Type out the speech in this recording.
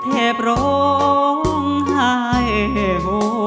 แทบร้องหายโฮ